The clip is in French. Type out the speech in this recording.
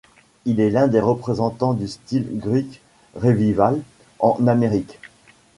Il est l'un des représentants du style Greek Revival en Amérique.